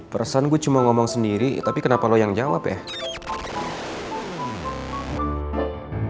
perasaan gue cuma ngomong sendiri tapi kenapa lo yang jawab ya